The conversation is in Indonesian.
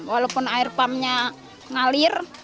walaupun air pumpnya ngalir